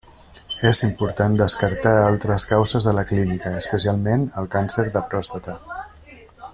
És important descartar altres causes de la clínica, especialment el càncer de pròstata.